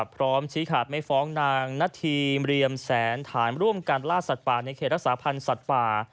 พร้อมชี้ขาดไม่ฟ้องนางณฑีเหลี่ยมแสนถามร่วมกันล่าสัตว์ป่าในเขตรักษาพันธ์สัตว์ป่า